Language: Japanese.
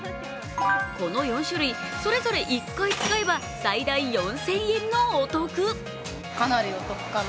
この４種類、それぞれ１回使えば最大４０００円のお得。